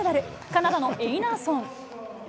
カナダのエイナーソン。